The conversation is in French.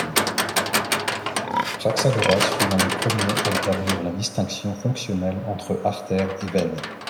Praxagoras fut l'un des premiers à établir la distinction fonctionnelle entre artères et veines.